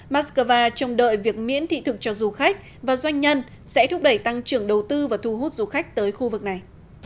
mắc cơ va trọng đợi việc miễn thị thực cho du khách và doanh nhân sẽ thúc đẩy tăng trưởng đầu tư và thu hút du khách tới khu vực này